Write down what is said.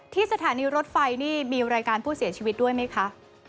สถานีรถไฟนี่มีรายการผู้เสียชีวิตด้วยไหมคะ